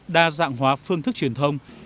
đa dạng hóa phương thức truyền thông